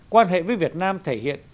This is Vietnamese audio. quan hệ với việt nam thể hiện